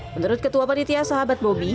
menurut ketua panitia sahabat bobi